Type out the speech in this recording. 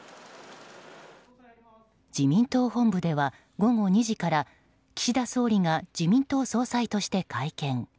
自民党本部では午後２時から岸田総理が自民党総裁として会見。